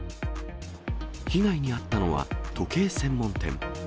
被害に遭ったのは時計専門店。